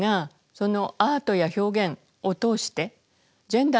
そのアートや表現を通してジェンダーの問題